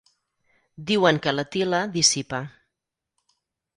Diuen que la til·la dissipa.